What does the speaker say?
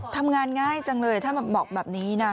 ทำงานง่ายจังเลยถ้าบอกแบบนี้นะ